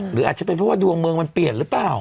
หรืออาจจะเป็นเพราะว่าดวงเมืองมันเปลี่ยนหรือเปล่า